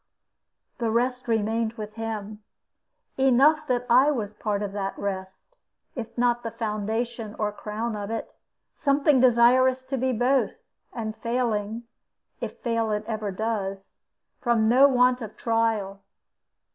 The rest remained with him. Enough that I was part of that rest; and if not the foundation or crown of it, something desirous to be both, and failing (if fail it ever does) from no want of trial.